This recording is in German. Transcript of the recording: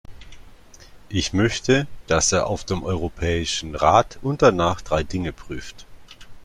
Ich möchte, dass er auf dem Europäischen Rat und danach drei Dinge prüft.